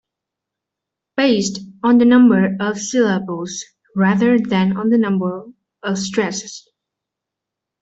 based on the number of syllables rather than on the number of stresses.